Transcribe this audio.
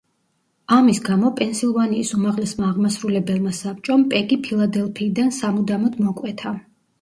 ამის გამო, პენსილვანიის უმაღლესმა აღმასრულებელმა საბჭომ, პეგი ფილადელფიიდან სამუდამოდ მოკვეთა.